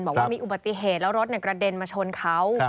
บอกว่ามีอุบัติเหตุแล้วรถกระเด็นมาชนเขา